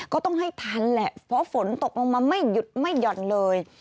ก็ต้องให้ทันแหละเพราะฝนตกลงมาไม่หยุดไม่หย่อนเลย